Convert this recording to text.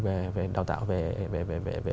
về đào tạo về